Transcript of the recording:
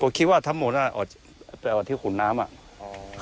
ผมคิดว่าทั้งหมดน่ะออกไปเอาอาทิตย์ขุนน้ำอ่ะอ๋อ